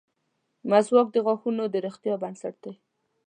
• مسواک د غاښونو د روغتیا بنسټ دی.